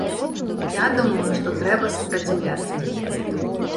Я думаю, што трэба супраціўляцца.